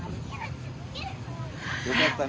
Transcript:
「よかったね